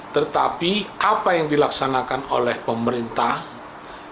tetapi apa yang dilaksanakan oleh pemerintah itu secara kewarganegaraan tidak fair play